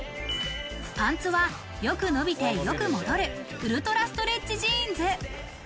パンツは、よく伸びてよく戻るウルトラストレッチジーンズ。